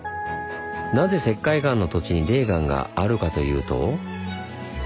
なぜ石灰岩の土地に泥岩があるかというと。